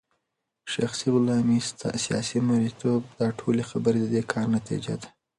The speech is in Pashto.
شخصي غلامې ، سياسي مريتوب داټولي خبري ددي كار نتيجه ده